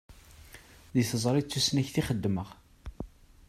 Deg teẓṛi, d tusnakt i xeddmeɣ.